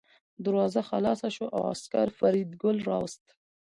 دروازه خلاصه شوه او عسکر فریدګل راوست